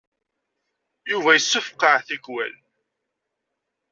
Yuba yessefqaɛ tikwal.